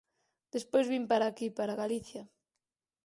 Despois vin para aquí, para Galicia.